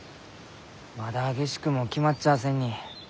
まだ下宿も決まっちゃあせんに。